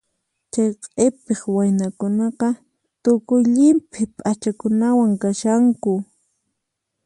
Chay q'ipiq waynakunaqa tukuy llimp'i p'achakunawan kashanku.